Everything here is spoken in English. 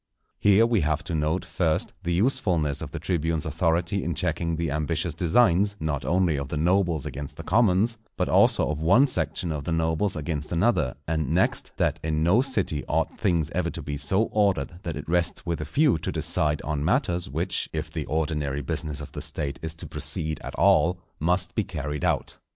Here we have to note, first, the usefulness of the tribunes' authority in checking the ambitious designs, not only of the nobles against the commons, but also of one section of the nobles against another; and next, that in no city ought things ever to be so ordered that it rests with a few to decide on matters, which, if the ordinary business of the State is to proceed at all, must be carried out.